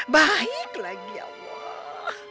baik lagi ya allah